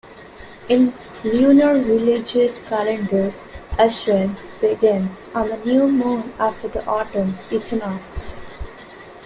In lunar religious calendars, Ashvin begins on the new moon after the autumn equinox.